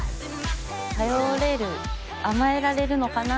頼れる甘えられるのかな？